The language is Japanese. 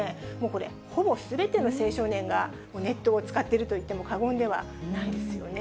これ、ほぼすべての青少年がネットを使っているといっても過言ではないですよね。